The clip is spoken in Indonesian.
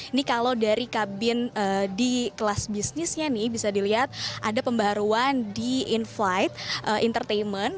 ini kalau dari kabin di kelas bisnisnya nih bisa dilihat ada pembaruan di in flight entertainment